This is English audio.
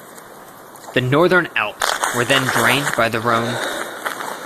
The northern Alps were then drained by the Rhone.